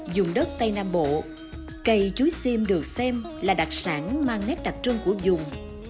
dùng đất tây nam bộ cây chuối xiêm được xem là đặc sản mang nét đặc trưng của dùng